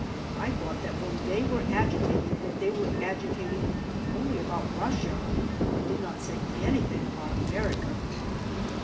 I thought that when they were agitating that they were agitating only about Russia but did not say anything about America."